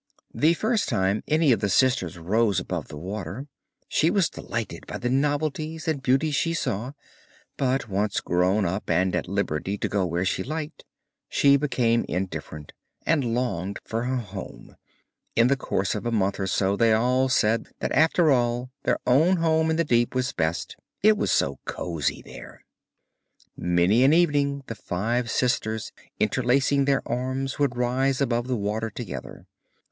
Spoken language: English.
The first time any of the sisters rose above the water she was delighted by the novelties and beauties she saw; but once grown up, and at liberty to go where she liked, she became indifferent and longed for her home; in the course of a month or so they all said that after all their own home in the deep was best, it was so cosy there. Many an evening the five sisters interlacing their arms would rise above the water together.